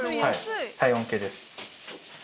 体温計です。